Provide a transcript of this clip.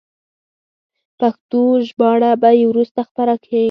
پښتو ژباړه به یې وروسته خپره شي.